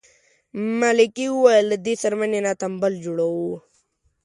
ملکې وویل له دې څرمنې نه تمبل جوړوو.